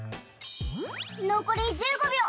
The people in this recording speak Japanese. のこり１５びょう。